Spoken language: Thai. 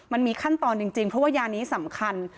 มันมีขั้นตอนจริงเพราะว่ายานี้สำคัญ